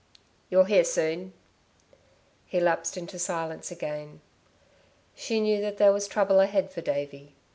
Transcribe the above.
"You'll hear soon." He lapsed into silence again. She knew that there was trouble ahead for Davey.